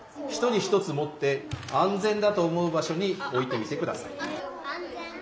１人１つ持って安全だと思う場所に置いてみてください。